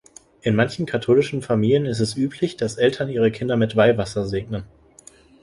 In manchen katholischen Familien ist es üblich, dass Eltern ihre Kinder mit Weihwasser segnen.